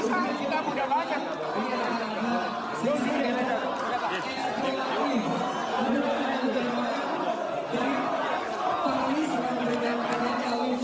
acu aduata banyak orang